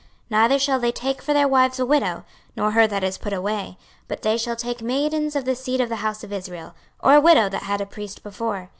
26:044:022 Neither shall they take for their wives a widow, nor her that is put away: but they shall take maidens of the seed of the house of Israel, or a widow that had a priest before.